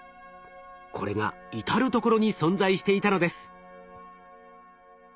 これが至る所に存在していたのです。